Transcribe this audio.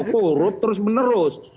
korup terus menerus